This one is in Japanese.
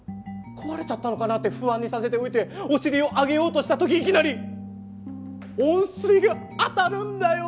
壊れちゃったのかな？って不安にさせておいてお尻を上げようとした時いきなり温水が当たるんだよ！